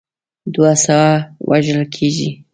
دوه سوه وژل کیږي.